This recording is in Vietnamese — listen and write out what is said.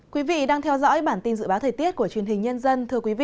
quý vị đang theo dõi bản tin dự báo thời tiết của truyền hình nhân dân